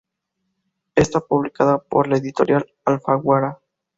Está publicada por la editorial Alfaguara.